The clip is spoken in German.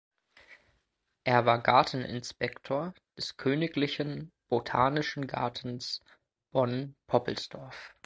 Er war Garteninspektor des Königlichen Botanischen Gartens Bonn-Poppelsdorf.